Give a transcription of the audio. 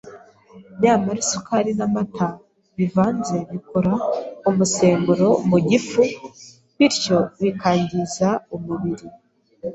Nyamara isukari n’amata bivanze bikora umusemburo mu gifu, bityo bikangiza umubiri.